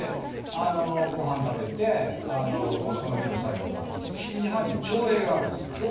ごはん食べてその日の作業を確認して７時半に朝礼があるんです。